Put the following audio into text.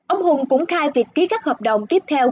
ông hùng cũng khai việc ký các hợp đồng tiếp theo